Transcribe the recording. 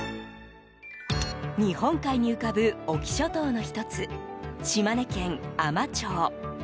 日本海に浮かぶ隠岐諸島の１つ島根県海士町。